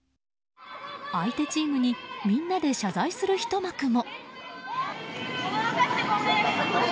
相手チームにみんなで謝罪するひと幕も。